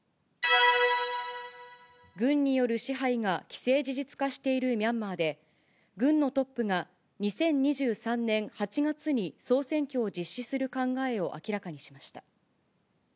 軍による支配が既成事実化しているミャンマーで、軍のトップが２０２３年８月に総選挙を実施する考えを明らかにしました。